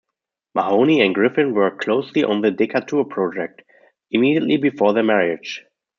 Mahony and Griffin worked closely on the Decatur project immediately before their marriage.